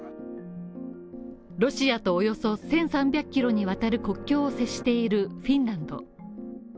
ロシアとおよそ１３００キロにわたる国境を接しているフィンランド